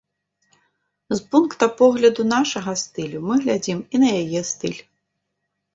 З пункта погляду нашага стылю мы глядзім і на яе стыль.